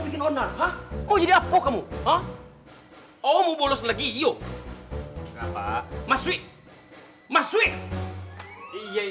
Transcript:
terima kasih ya